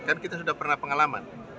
kan kita sudah pernah pengalaman